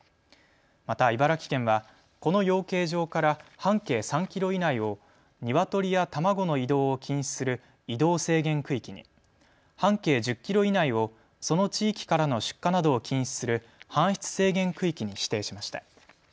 また茨城県は、この養鶏場から半径３キロ以内をニワトリや卵の移動を禁止する移動制限区域に、半径１０キロ以内を、その地域からの出荷などを禁止する搬出制限区域に指定しました。